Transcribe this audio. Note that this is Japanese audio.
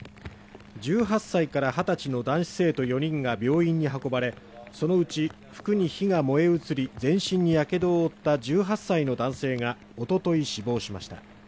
１８歳から２０歳の男子生徒４人が病院に運ばれ、そのうち、服に火が燃え移り、全身にやけどを負った１８歳の男性が、おととい死亡しました。